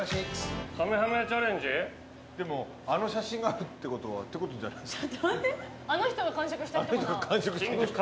でもあの写真があるってことはってことじゃないんすか？